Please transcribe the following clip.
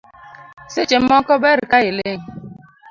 Seche moko ber ka iling